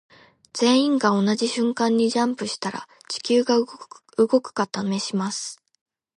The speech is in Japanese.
全員が同じ瞬間にジャンプしたら地球が動くか試します。